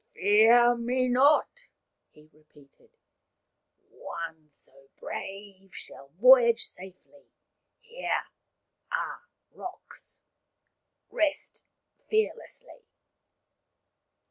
" Fear me not," he repeated. " One so brave shall voyage safely. Here are rocks. Rest fearlessly."